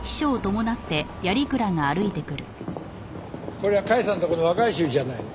これは甲斐さんとこの若い衆じゃないの。